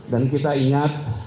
dan kita ingat